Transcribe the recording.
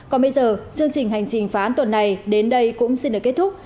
còn bây giờ chương trình hành trình phán tuần này đến đây cũng xin được kết thúc